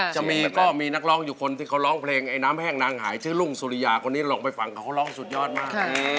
จะมีก็มีนักร้องอยู่คนที่เขาร้องเพลงไอ้น้ำแห้งนางหายชื่อรุ่งสุริยาคนนี้ลงไปฟังเขาเขาร้องสุดยอดมาก